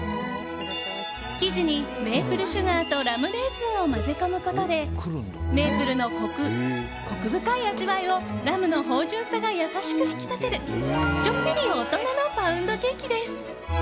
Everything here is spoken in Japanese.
生地に、メープルシュガーとラムレーズンを混ぜ込むことでメープルのコク深い味わいをラムの芳酵さが優しく引き立てるちょっぴり大人のパウンドケーキです。